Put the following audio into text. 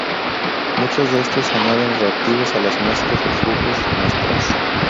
Muchos de estos añaden reactivos a las muestras o flujos de muestras.